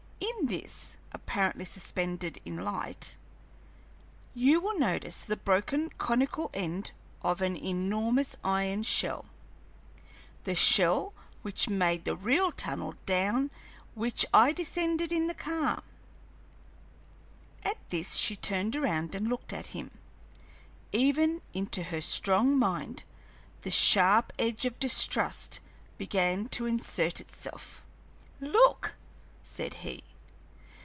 In this, apparently suspended in light, you will notice the broken conical end of an enormous iron shell, the shell which made the real tunnel down which I descended in the car." At this she turned around and looked at him. Even into her strong mind the sharp edge of distrust began to insert itself. "Look!" said he.